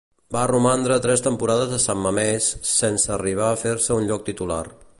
Va romandre tres temporades a San Mamés, sense arribar a fer-se un lloc titular.